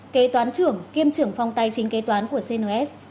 kế toán trưởng kiêm trưởng phòng tài chính kế toán của cns